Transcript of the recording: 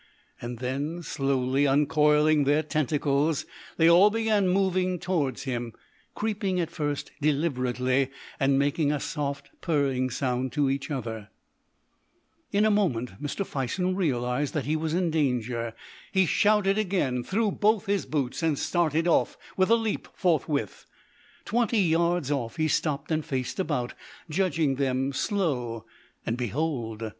And then, slowly uncoiling their tentacles, they all began moving towards him creeping at first deliberately, and making a soft purring sound to each other. In a moment Mr. Fison realised that he was in danger. He shouted again, threw both his boots, and started off, with a leap, forthwith. Twenty yards off he stopped and faced about, judging them slow, and behold!